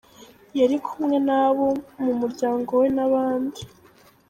Yari kumwe n’abo mu muryango we n’abandi.